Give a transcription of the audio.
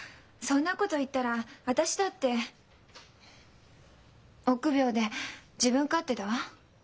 そんなこと言ったら私だって臆病で自分勝手だわ。